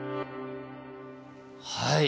はい。